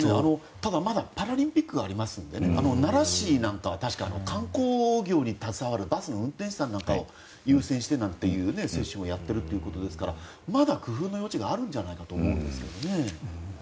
ただ、まだパラリンピックがありますので奈良なんかは観光業に携わるバスの運転手さんなんかを優先してなんていう接種をやってるということですから工夫の余地があるのではと思いますけどね。